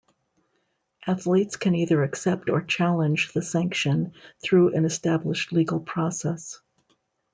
Athletes can either accept or challenge the sanction through an established legal process.